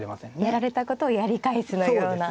やられたことをやり返すのような。